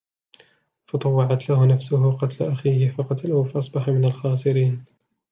فَطَوَّعَتْ لَهُ نَفْسُهُ قَتْلَ أَخِيهِ فَقَتَلَهُ فَأَصْبَحَ مِنَ الْخَاسِرِينَ